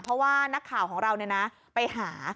เพราะว่านักข่าวของเราไปหา